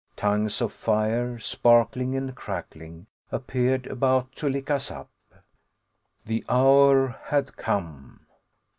Tongues of fire, sparkling and crackling, appeared about to lick us up. The hour had come!